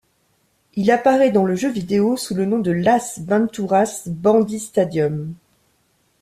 Il apparaît dans le jeu vidéo sous le nom de Las Venturas Bandits Stadium.